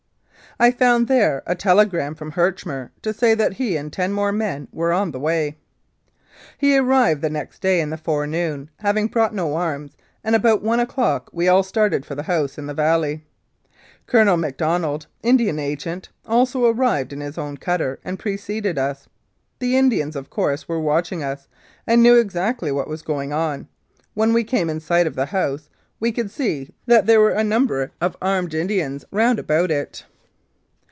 I found there a telegram from Herchmer to say that he and ten more men were on the way. He arrived the next day in the forenoon, having brought no arms, and about one o'clock we all started for the house in the valley. Colonel McDonald, Indian Agent, also arrived in his own cutter and preceded us. The Indians, of course, were watching us, and knew exactly what was going on. When we came in sight of the house we could see that there were a number of armed M5 Mounted Police Life in Canada Indians round about it.